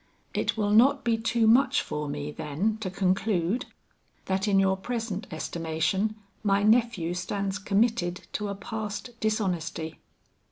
"It will not be too much for me, then, to conclude, that in your present estimation my nephew stands committed to a past dishonesty?"